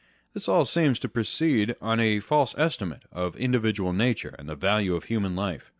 This all seems to proceed on a false estimate of individual nature and the value of human life.